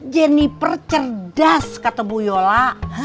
jenniper cerdas kata bu yola